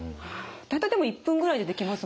大体１分ぐらいでできますもんね。